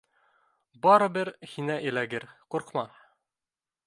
— Барыбер һиңә эләгер, ҡурҡма